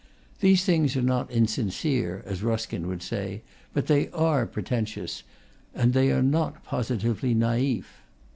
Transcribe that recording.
These things are not insincere, as Ruskin would say; but they are pre tentious, and they are not positively naifs.